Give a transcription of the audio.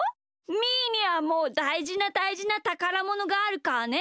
みーにはもうだいじなだいじなたからものがあるからね。